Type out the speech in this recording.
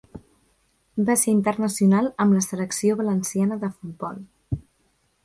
Va ser internacional amb la selecció valenciana de futbol.